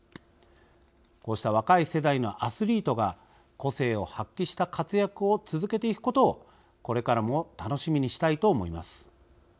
こうした若い世代のアスリートが個性を発揮した活躍を続けていくことをこれからも楽しみにしたいと思います。